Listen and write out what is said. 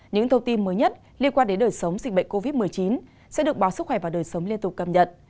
những thông tin mới nhất liên quan đến đời sống dịch bệnh covid một mươi chín sẽ được báo sức khỏe và đời sống liên tục cập nhật